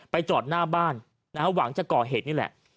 จอดหน้าบ้านนะฮะหวังจะก่อเหตุนี่แหละ